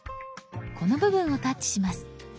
この部分をタッチします。